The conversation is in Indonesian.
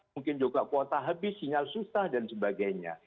mungkin juga kuota habis sinyal susah dan sebagainya